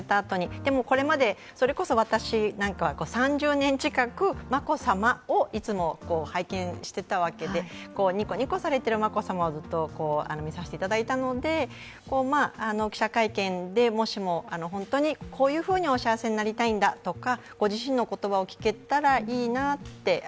でも、これまでそれこそ私などは３０年近く眞子さまをいつも拝見していたわけで、ニコニコされている眞子さまをずっと見させていただいていたので記者会見で、もしも本当にこういうふうに幸せになりたいんだ、とかご自身の言葉を聞けたらいいなと。